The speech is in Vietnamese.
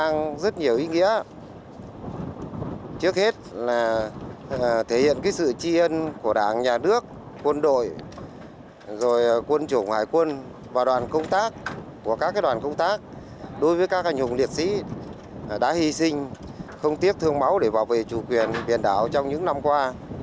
nhiều cán bộ chiến sĩ quân chủng hải quân và đoàn công tác của các đoàn công tác đối với các anh hùng liệt sĩ đã hy sinh không tiếc thương máu để bảo vệ chủ quyền biển đảo trong những năm qua